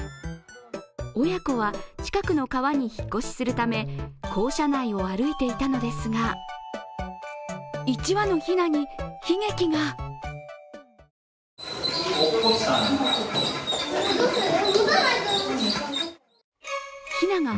親子は近くの川に引っ越しするため校舎内を歩いていたのですが、１羽のひなに悲劇が！